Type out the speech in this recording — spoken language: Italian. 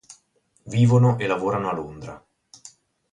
Vivono e lavorano a Londra.